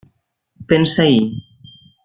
Pensa-hi!